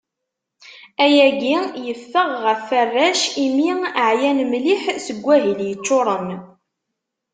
Ayagi yeffeɣ ɣef warrac, imi εyan mliḥ seg wahil yeččuṛen.